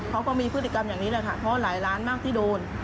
เขาก็มีพฤติกรรมอย่างนี้แหละค่ะเพราะหลายล้านมากที่โดน